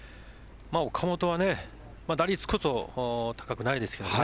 岡本は打率こそ高くないですけどね